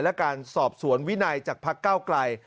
และการสอบสวนวินัยจากพักเก้าไกล